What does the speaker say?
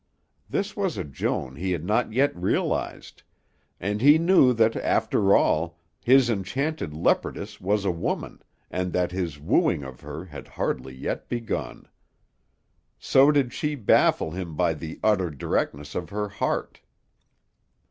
This was a Joan he had not yet realized, and he knew that after all his enchanted leopardess was a woman and that his wooing of her had hardly yet begun. So did she baffle him by the utter directness of her heart.